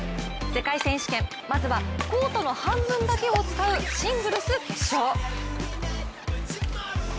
世界選手権、まずはコートの半分だけを使うシングルス決勝。